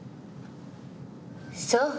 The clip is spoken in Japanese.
そう。